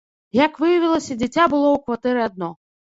Як выявілася, дзіця было ў кватэры адно.